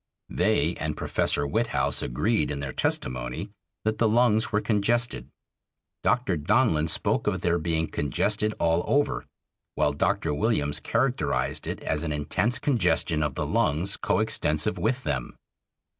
They and Professor Witthaus agreed in their testimony that the lungs were congested. Dr. Donlin spoke of their being "congested all over"; while Dr. Williams characterized it as "an intense congestion of the lungs coextensive with them."